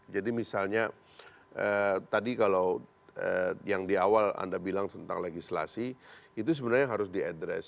misalnya tadi kalau yang di awal anda bilang tentang legislasi itu sebenarnya harus diadres